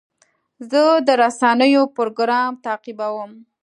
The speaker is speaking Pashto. زه د رسنیو پروګرام تعقیبوم.